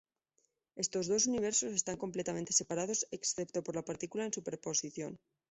Estos dos universos están completamente separados excepto por la partícula en superposición.